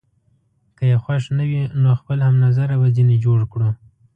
که يې خوښ نه وي، نو خپل هم نظره به ځینې جوړ کړو.